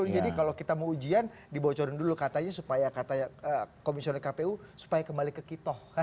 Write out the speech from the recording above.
jadi kalau kita mau ujian dibocorin dulu katanya supaya komisioner kpu supaya kembali ke kita